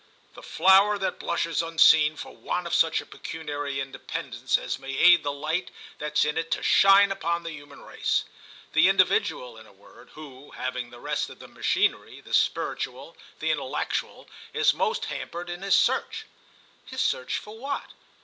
"The flower that blushes unseen for want of such a pecuniary independence as may aid the light that's in it to shine upon the human race. The individual, in a word, who, having the rest of the machinery, the spiritual, the intellectual, is most hampered in his search." "His search for what?"